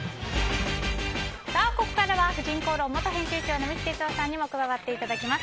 ここからは「婦人公論」元編集長の三木哲男さんにも加わっていただきます。